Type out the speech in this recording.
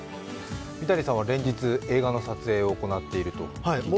三谷さんは連日映画の撮影を行っていると聞いていますが。